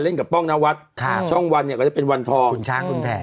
กับป้องนวัดช่องวันเนี่ยก็จะเป็นวันทองคุณช้างคุณแผ่